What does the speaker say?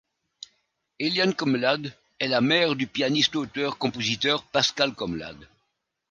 Éliane Comelade est la mère du pianiste auteur compositeur Pascal Comelade.